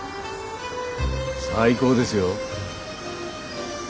最高ですよ。